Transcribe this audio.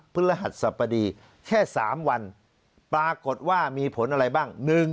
ฤหัสสบดีแค่๓วันปรากฏว่ามีผลอะไรบ้าง